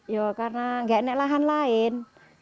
ya karena nggak naik lahan lain